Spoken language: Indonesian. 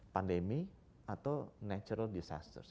pandemi atau natural disasters